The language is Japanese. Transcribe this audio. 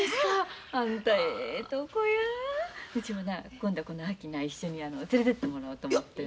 うちもな今度この秋な一緒に連れてってもらおうと思てる。